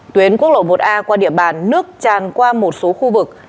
tuyến quốc lộ một a qua địa bàn nước tràn qua một số khu vực